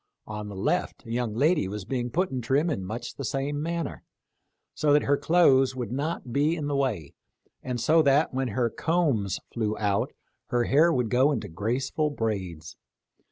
On the left a young lady was being put in trim in much the same manner, so that her clothes would not be in the way, and so that, when her combs flew out, her hair would go into graceful braids.